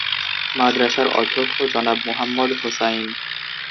মাদ্রাসার অধ্যক্ষ জনাব মোহাম্মদ হোসাইন।